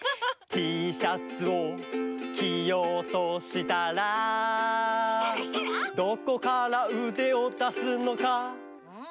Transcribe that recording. Ｔシャツをきようとしたらどこからうでをだすのかうん？